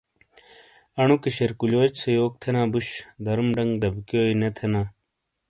انوکے شیرقلیوچ سے یوک تھینا بوش درم ڈنگ دبیکیوے نے تھینا۔